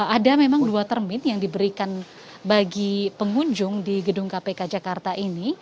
ada memang dua termin yang diberikan bagi pengunjung di gedung kpk jakarta ini